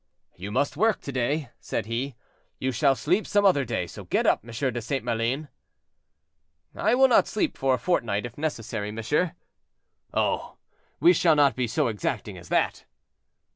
"You must work to day," said he; "you shall sleep some other day; so get up, M. de St. Maline." "I will not sleep for a fortnight, if necessary, monsieur." "Oh! we shall not be so exacting as that."